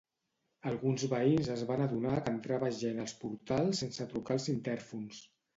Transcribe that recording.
Alguns veïns es van adonar que entrava gent als portals sense trucar als intèrfons.